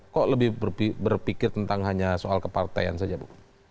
kok lebih berpikir tentang hanya soal kepartean saja bu